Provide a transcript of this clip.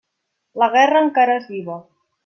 La guerra encara és viva.